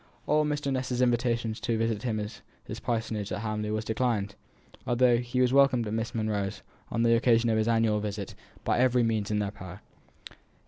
All Mr. Ness's invitations to visit him at his parsonage at Hamley were declined, although he was welcomed at Miss Monro's, on the occasion of his annual visit, by every means in their power.